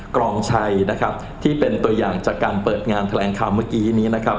กรองชัยนะครับที่เป็นตัวอย่างจากการเปิดงานแถลงข่าวเมื่อกี้นี้นะครับ